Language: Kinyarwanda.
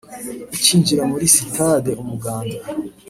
ukinjira muri sitade Umuganda